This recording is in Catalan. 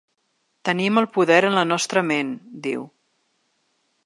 Tenim el poder en la nostra ment, diu.